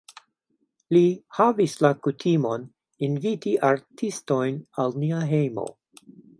Li havis la kutimon inviti artistojn al nia hejmo.